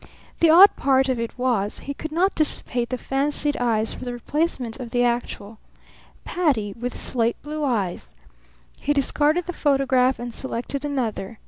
The odd part of it was, he could not dissipate the fancied eyes for the replacement of the actual. Patti, with slate blue eyes! He discarded the photograph and selected another.